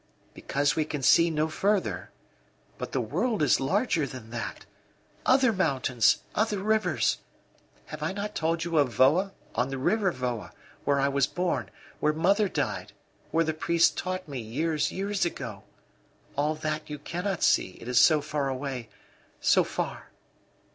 Because we can see no further. But the world is larger than that! Other mountains, other rivers. Have I not told you of Voa, on the River Voa, where I was born, where mother died, where the priest taught me, years, years ago? All that you cannot see, it is so far away so far."